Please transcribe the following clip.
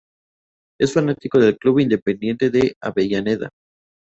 Es fanático del club Independiente de Avellaneda.